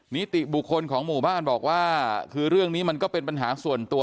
นิติบุคคลของหมู่บ้านบอกว่าคือเรื่องนี้มันก็เป็นปัญหาส่วนตัว